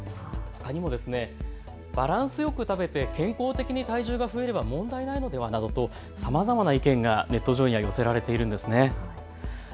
ほかにもバランスよく食べて健康的に体重が増えれば問題ないのではなどとさまざまな意見がネット上には寄せられているんです。